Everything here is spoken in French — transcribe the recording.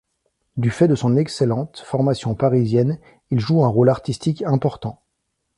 Du fait de son excellente formation parisienne, il joue un rôle artistique important.